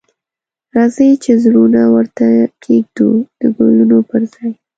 راځئ چې زړونه ورته کښیږدو د ګلونو پر ځای